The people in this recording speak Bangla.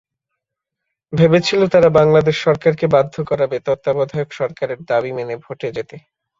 ভেবেছিল, তারা বাংলাদেশ সরকারকে বাধ্য করাবে তত্ত্বাবধায়ক সরকারের দাবি মেনে ভোটে যেতে।